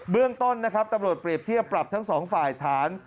เรื่องต้นนะครับตำรวจเปรียบเทียบปรับทั้งสองฝ่ายฐาน